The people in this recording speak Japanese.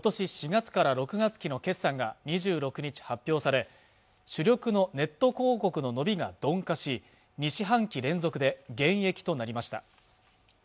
４月から６月期の決算が２６日発表され主力のネット広告の伸びが鈍化し２四半期連続で減益となりました